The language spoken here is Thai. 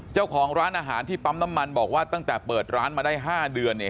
เจ้าของร้านอาหารที่ปั๊มน้ำมันบอกว่าตั้งแต่เปิดร้านมาได้๕เดือนเนี่ย